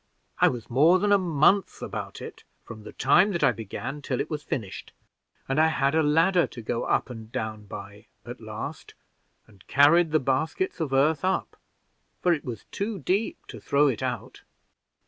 I was more than a month about it from the time that I began till it was finished, and I had a ladder to go up and down by at last, and carried the baskets of earth up, for it was too deep to throw it out."